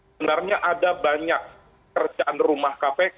sebenarnya ada banyak kerjaan rumah kpk